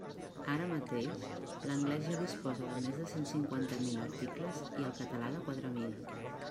Ara mateix, l'anglès ja disposa de més de cent cinquanta mil articles i el català de quatre mil.